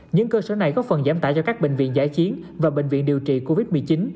những cơ sở này góp phần giảm tải cho các bệnh viện giải chiến và bệnh viện điều trị covid một mươi chín